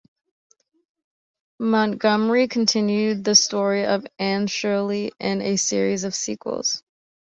Montgomery continued the story of Anne Shirley in a series of sequels.